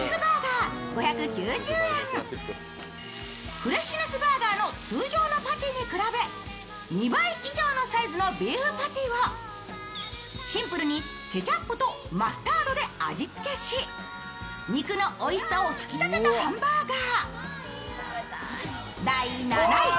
フレッシュネスバーガーの通常のパティに比べ２倍以上のサイズのビーフパティをシンプルにケチャップとマスタードで味付けし肉のおいしさを引き立てたハンバーガー。